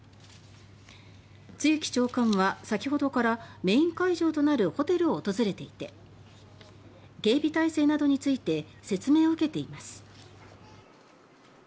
露木長官は、先ほどからメイン会場となるホテルを訪れていて警備態勢などについて説明を受けています。